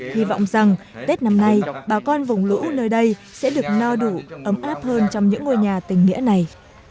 hy vọng rằng tết năm nay bà con vùng lũ nơi đây sẽ được no đủ ấm áp hơn trong những ngôi nhà tình nghĩa này